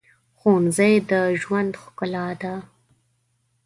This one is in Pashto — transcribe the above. ښوونځی د ژوند ښکلا ده